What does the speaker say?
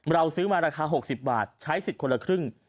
เราซื้อมาราคา๖๐บาทใช้สิทธิ์คนละครึ่ง